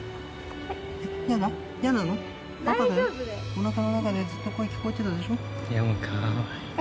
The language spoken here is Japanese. お腹の中でずっと声聞こえてたでしょ？